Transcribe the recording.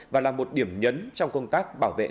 và là một điểm nhấn trong công tác bảo vệ